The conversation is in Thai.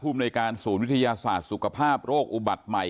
ในการศูนย์วิทยาศาสตร์สุขภาพโรคอุบัติใหม่